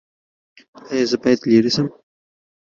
ایا زه باید لرې اوسم؟